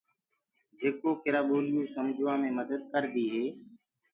جيڪآ ڪِرآ ٻوليو ڪوُ سمگھوآ مي مدد ڪآردي هي۔